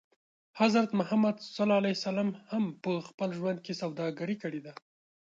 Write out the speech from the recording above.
حضرت محمد ص هم په خپل ژوند کې سوداګري کړې ده.